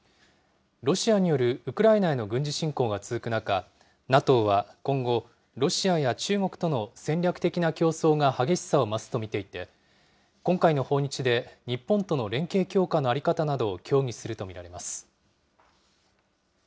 ロシアによるウクライナへの軍事侵攻が続く中、ＮＡＴＯは今後、ロシアや中国との戦略的な競争が激しさを増すと見ていて、今回の訪日で、日本との連携強化の在り方などを協議すると見られます。